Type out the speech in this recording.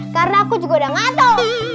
karena aku juga udah gak tau